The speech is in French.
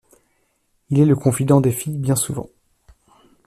Il est le confident des filles bien souvent.